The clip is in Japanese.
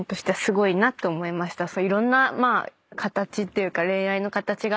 いろんな形っていうか恋愛の形が。